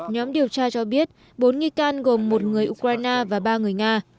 nhóm điều tra cho biết bốn nghi can gồm một người ukraine và ba người nga